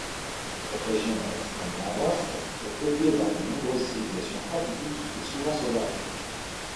Cette région, extrêmement vaste, est peuplée par de nombreuses civilisations atypiques et souvent sauvages.